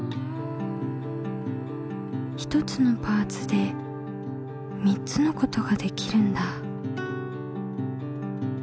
一つのパーツで３つのことができるんだ。